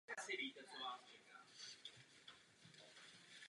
Kromě dřeva je tento strom zdrojem velmi hodnotné pryskyřice.